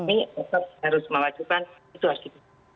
ini tetap harus melakukan situasi itu